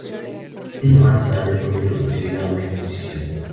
Un año más tarde fue introducida una exposición.